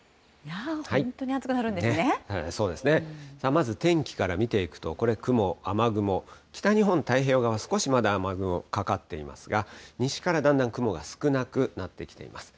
まず天気から見ていくと、これ、雲、雨雲、北日本太平洋側、まだ少し雨雲かかっていますが、西からだんだん雲が少なくなってきています。